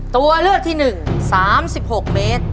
ตัวเลือดที่หนึ่ง๓๖เมตร